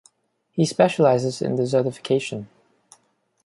He specialises in desertification.